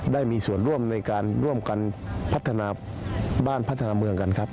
ได้มีส่วนร่วมในการร่วมกันพัฒนาบ้านพัฒนาเมืองกันครับ